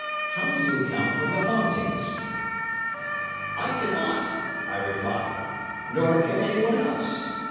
How do you account for the hauntings?" "I cannot," I replied, "nor can anyone else.